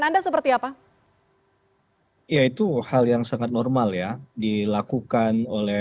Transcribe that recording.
anda seperti apa ya itu hal yang sangat normal ya dilakukan oleh